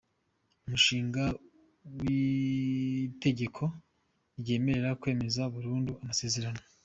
Umushinga w‟Itegeko ryemerera kwemeza burundu amasezerano